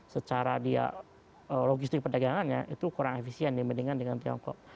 secara dia logistik perdagangannya itu kurang efisien dibandingkan dengan tiongkok